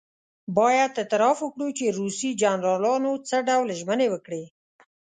باید اعتراف وکړو چې روسي جنرالانو څه ډول ژمنې وکړې.